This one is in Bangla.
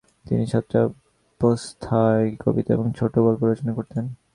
তিনি ছাত্রাবস্থায় কবিতা এবং ছোট গল্প রচনা করতেন ।